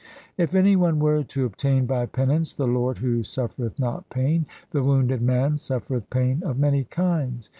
If any one were to obtain by penance the Lord who suffereth not pain, the wounded man suffereth pain of many kinds.